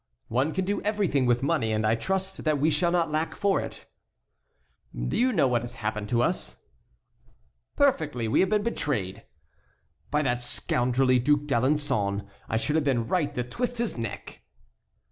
"One can do everything with money, and I trust that we shall not lack for it." "Do you know what has happened to us?" "Perfectly; we have been betrayed." "By that scoundrelly Duc d'Alençon. I should have been right to twist his neck."